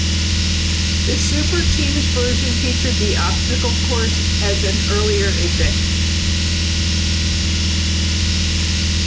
The "Superteams" version featured the obstacle course as an earlier event.